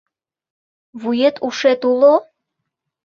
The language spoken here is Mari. Вует-ушет уло?